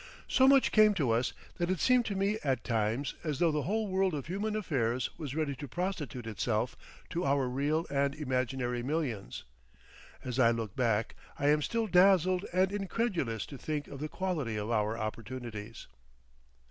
So much came to us that it seemed to me at times as though the whole world of human affairs was ready to prostitute itself to our real and imaginary millions. As I look back, I am still dazzled and incredulous to think of the quality of our opportunities.